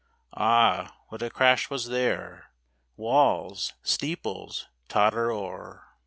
Ah, what a crash was there ! walls, steeples, totter o'er.